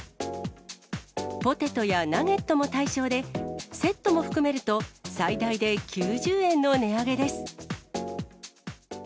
ポテトやナゲットも対象で、セットも含めると最大で９０円の値上げです。